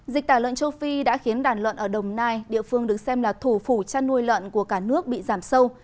dịch tả lợn châu phi đã khiến đàn lợn ở đồng nai địa phương được xem là thủ phủ chăn nuôi lợn của cả nước bị giảm sâu